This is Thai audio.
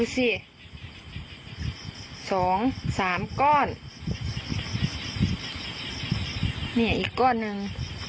นี่สองสามก้อนเนี่ยอีกก้อนหนึ่ง